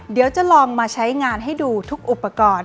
เดี๋ยวจะลองมาใช้งานให้ดูทุกอุปกรณ์